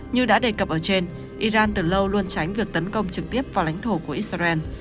như đã đề cập ở trên iran từ lâu luôn tránh việc tấn công trực tiếp vào lãnh thổ của israel